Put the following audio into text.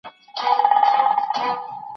هغه به د پخوانیو قلمي نسخو مطالعه ژر پیل کړي.